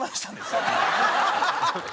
ハハハハ！